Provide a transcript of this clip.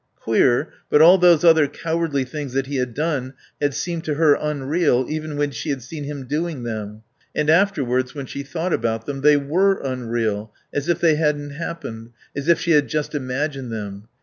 Queer, but all those other cowardly things that he had done had seemed to her unreal even when she had seen him doing them; and afterwards when she thought about them they were unreal, as if they hadn't happened, as if she had just imagined them.